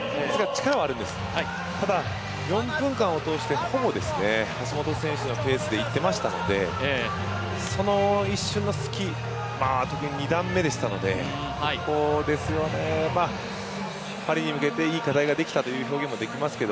力はあるんです、ただ４分間を通してほぼ橋本選手のペースでいってましたのでその一瞬の隙、特に２段目でしたので、パリに向けて、いい課題ができたという表現もできますが、